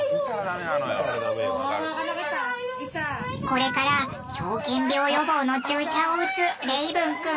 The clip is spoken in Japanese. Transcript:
これから狂犬病予防の注射を打つレイヴン君。